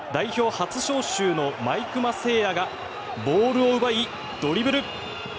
初招集の毎熊晟矢がボールを奪い、ドリブル。